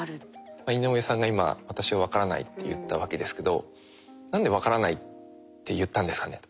井上さんが今「私は分からない」って言ったわけですけど何で「分からない」って言ったんですかねと。